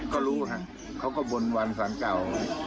ก็รู้ค่ะเขาก็บนวันสารเก่า